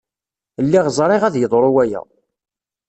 Lliɣ ẓriɣ ad yeḍru waya.